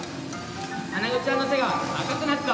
アナゴちゃんの背が高くなった。